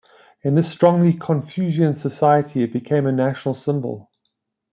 In this strongly confucian society, it became national symbol.